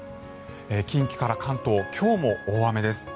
近畿から関東、今日も大雨です。